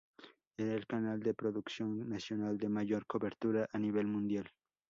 Era el canal de producción nacional de mayor cobertura a nivel mundial.